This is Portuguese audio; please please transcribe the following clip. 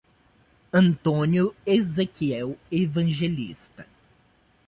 Antônio Ezequiel Evangelista